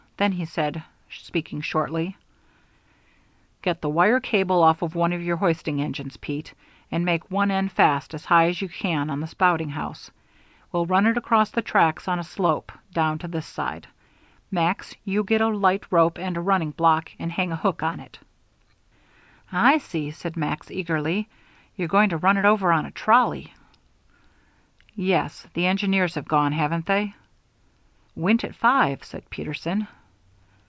Then he said, speaking shortly: "Get the wire cable off one of your hoisting engines, Pete, and make one end fast as high as you can on the spouting house. We'll run it across the tracks, on a slope, down to this side. Max, you get a light rope and a running block, and hang a hook on it." "I see," said Max, eagerly. "You're going to run it over on a trolley." "Yes. The engineers have gone, haven't they?" "Went at five," said Peterson.